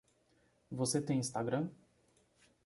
Você tem Instagram?